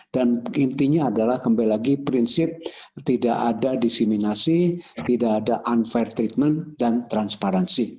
dan intinya adalah kembali lagi prinsip tidak ada diseminasi tidak ada unfair treatment dan transparansi